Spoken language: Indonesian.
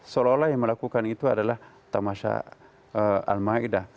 seolah olah yang melakukan itu adalah tamasha al maida